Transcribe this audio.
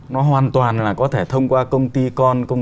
nó hoàn toàn là có thể thông qua công ty con